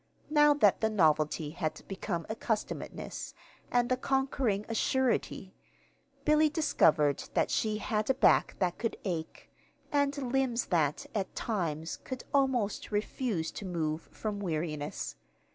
Now that the novelty had become accustomedness, and the conquering a surety, Billy discovered that she had a back that could ache, and limbs that, at times, could almost refuse to move from weariness.